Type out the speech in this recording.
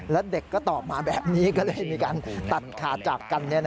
แล้วเด็กก็ตอบมาแบบนี้ก็เลยมีการตัดขาดจากกัน